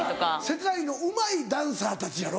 世界のうまいダンサーたちやろ。